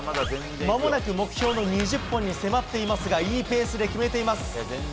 まもなく目標の２０本に迫っていますが、いいペースで決めています。